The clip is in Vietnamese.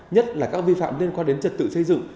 nhất là các vi phạm liên quan đến trật tự xây dựng